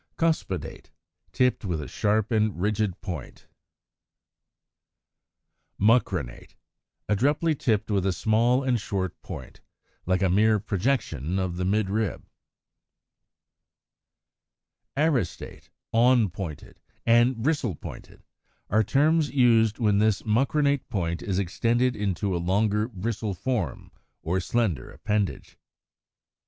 Cuspidate, tipped with a sharp and rigid point; as in Fig. 140. Mucronate, abruptly tipped with a small and short point, like a mere projection of the midrib; as in Fig. 141. Aristate, Awn pointed, and Bristle pointed, are terms used when this mucronate point is extended into a longer bristle form or slender appendage.